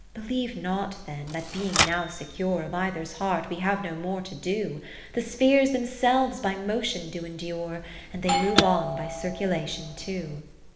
X Believe not then, that being now secure Of cither's heart, we have no more to do : The spheres themselves by motion do endure, And they move on by circulation too.